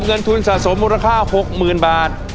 เงินทุนสะสมมูลค่า๖๐๐๐บาท